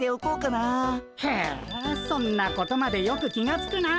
へえそんなことまでよく気がつくなあ。